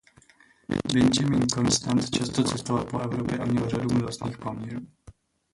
Benjamin Constant často cestoval po Evropě a měl řadu milostných poměrů.